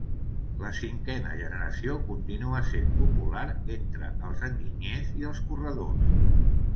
La cinquena generació continua sent popular entre els enginyers i els corredors.